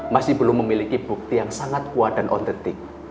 masih belum memiliki bukti yang sangat kuat dan otetik